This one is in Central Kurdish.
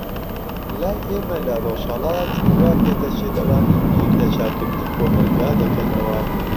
لای ئێمە لە ڕۆژهەلات، وا پێدەچێت ئەوانەی بیر لە چاکردنی کۆمەلگا دەکەنەوە.